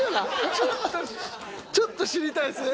ちょっとちょっと知りたいですね